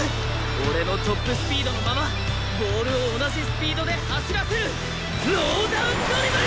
俺のトップスピードのままボールを同じスピードで走らせるノーダウンドリブル！